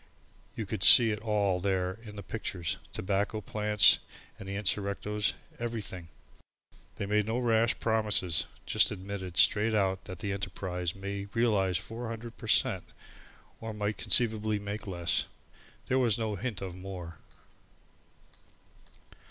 You could see it all there in the pictures tobacco plants and the insurrectos everything. They made no rash promises, just admitted straight out that the enterprise might realise 400 per cent. or might conceivably make less. There was no hint of more.